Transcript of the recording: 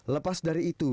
lepas dari itu